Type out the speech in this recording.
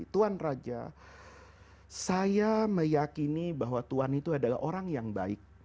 tuan raja saya meyakini bahwa tuhan itu adalah orang yang baik